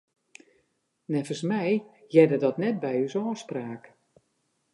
Neffens my hearde dat net by ús ôfspraak.